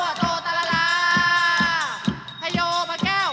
โอ้โหโอ้โหโอ้โห